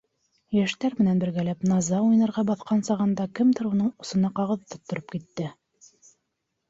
Йәштәр менән бергәләп «Наза» уйнарға баҫҡан сағында кемдер уның усына ҡағыҙ тоттороп китте.